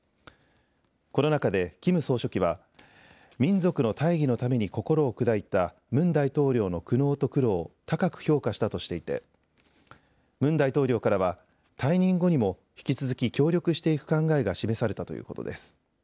この中でキム総書記は民族の大義のために心を砕いたムン大統領の苦悩と苦労を高く評価したとしていてムン大統領からは退任後にも引き続き協力していく考えが示されたということです。